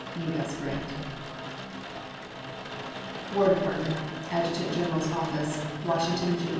U.S. GRANT. WAR DEPARTMENT, ADJUTANT GENERAL'S OFFICE, Washington, June 8, 1876.